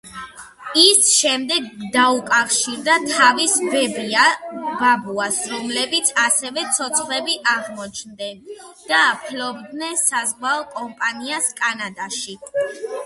ის შემდეგ დაუკავშირდა თავის ბებია–ბაბუას, რომლებიც ასევე ცოცხლები აღმოჩნდნენ და ფლობდნენ საზღვაო კომპანიას კანადაში.